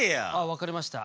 わかりました。